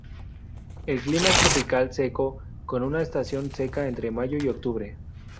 El clima es tropical seco, con una estación seca entre mayo y octubre.